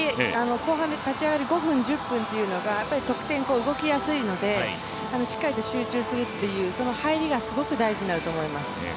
後半で立ち上がり５分、１０分っていうのが得点が動きやすいので、しっかりと集中するという、その入りがすごく大事になると思います。